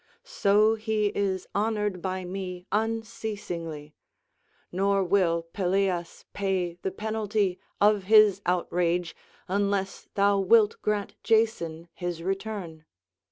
So he is honoured by me unceasingly; nor will Pelias pay the penalty of his outrage, unless thou wilt grant Jason his return."